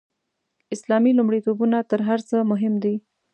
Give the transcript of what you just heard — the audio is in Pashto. اسلامي لومړیتوبونه تر هر څه مهم دي.